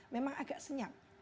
memang agak senyap